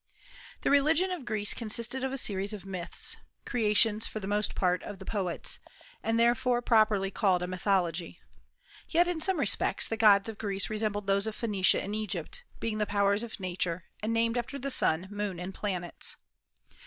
The religion of Greece consisted of a series of myths, creations for the most part of the poets, and therefore properly called a mythology. Yet in some respects the gods of Greece resembled those of Phoenicia and Egypt, being the powers of Nature, and named after the sun, moon, and planets.